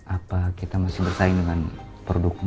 apa kita masih bertahun tahun dengan produk molpap